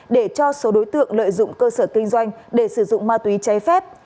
để cho số đối tượng lợi dụng cơ sở kinh doanh để sử dụng ma túy cháy phép